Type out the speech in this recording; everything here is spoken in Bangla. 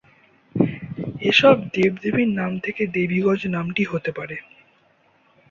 এ সব দেব-দেবীর নাম থেকে দেবীগঞ্জ নামটি হতে পারে।